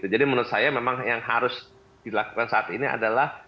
jadi menurut saya memang yang harus dilakukan saat ini adalah